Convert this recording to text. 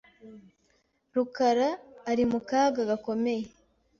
rukaraari mu kaga gakomeye.